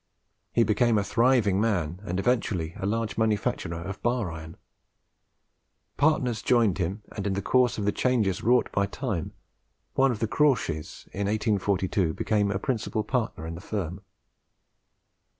He became a thriving man, and eventually a large manufacturer of bar iron. Partners joined him, and in the course of the changes wrought by time, one of the Crawshays, in 1842, became a principal partner in the firm.